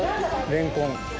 レンコン。